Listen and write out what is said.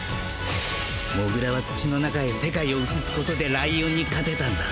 モグラは土の中へ世界を移すことでライオンに勝てたんだ。